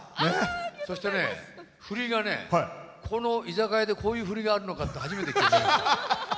そしてね、振りがこの「居酒屋」でこういう振りがあるのかって初めて。